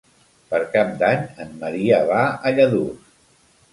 Per Cap d'Any en Maria va a Lladurs.